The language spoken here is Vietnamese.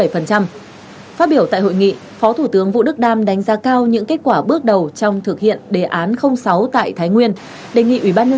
phát biểu tại hội nghị phó thủ tướng vũ đức đam đánh giá cao những kết quả bước đầu trong thực hiện đề án sáu tại thái nguyên